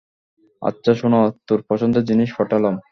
আচ্ছা শোন, তোর পছন্দের জিনিস পাঠালাম।